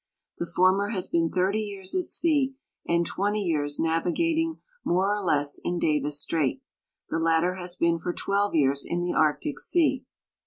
The former has been 30 years at sea and 20 years navigating, more or less, in Davis strait; the latter has been for 12 years in tbe Arctic sea.